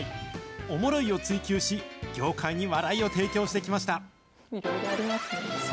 おもろいを追求し、業界に笑いを提供してきました。